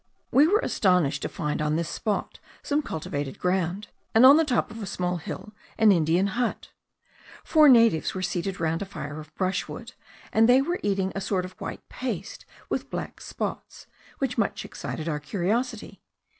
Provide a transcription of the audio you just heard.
We were astonished to find on this spot some cultivated ground, and on the top of a small hill an Indian hut. Four natives were seated round a fire of brushwood, and they were eating a sort of white paste with black spots, which much excited our curiosity.